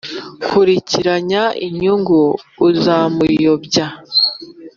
ukurikiranye inyungu, izamuyobya.